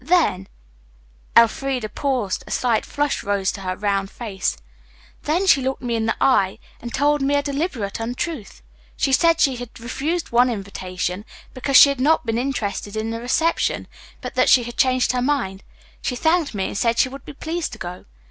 Then" Elfreda paused, a slight flush rose to her round face, "then she looked me in the eye and told me a deliberate untruth. She said she had refused one invitation because she had not been interested in the reception, but that she had changed her mind. She thanked me and said she would be pleased to go.